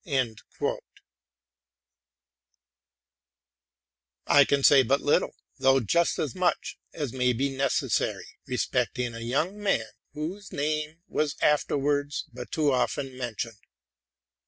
'' I can say but little, though just as much as may be neces sary. respecting a young man whose name was afterwards but too often mentioned.